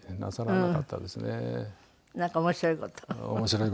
なんか面白い事？